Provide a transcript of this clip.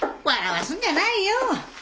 笑わすんじゃないよ！